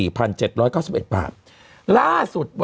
มันติดคุกออกไปออกมาได้สองเดือน